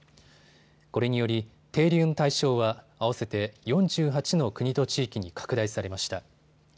これにより停留の対象は合わせて４８の国と地域に拡大されました。